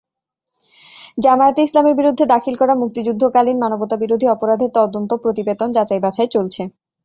জামায়াতে ইসলামীর বিরুদ্ধে দাখিল করা মুক্তিযুদ্ধকালীন মানবতাবিরোধী অপরাধের তদন্ত প্রতিবেদন যাচাইবাছাই চলছে।